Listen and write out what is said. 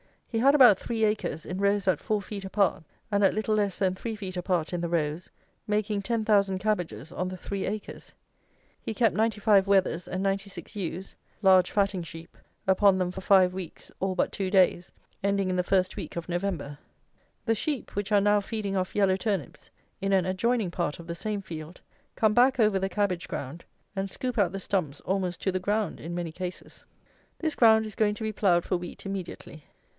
He had about three acres, in rows at four feet apart, and at little less than three feet apart in the rows, making ten thousand cabbages on the three acres. He kept ninety five wethers and ninety six ewes (large fatting sheep) upon them for five weeks all but two days, ending in the first week of November. The sheep, which are now feeding off yellow turnips in an adjoining part of the same field, come back over the cabbage ground and scoop out the stumps almost to the ground in many cases. This ground is going to be ploughed for wheat immediately.